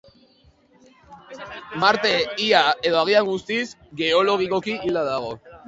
Marte ia, edo agian guztiz, geologikoki hilda dago.